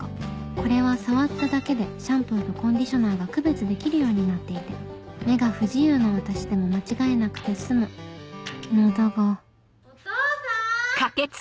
これは触っただけでシャンプーとコンディショナーが区別できるようになっていて目が不自由な私でも間違えなくて済むのだが・お父さん！